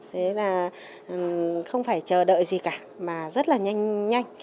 đấy là không phải chờ đợi gì cả mà rất là nhanh nhanh